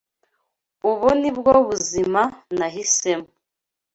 Ubu ni bwo buzima nahisemo.